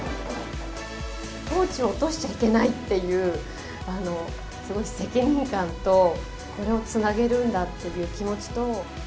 トーチを落としちゃいけないという、すごい責任感と、これをつなげるんだっていう気持ちと。